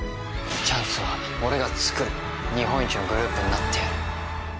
チャンスは俺が作る日本一のグループになってやる